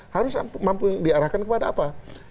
harus mampu diarahkan kepada apa